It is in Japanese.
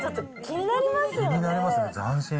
気になりますよね、斬新。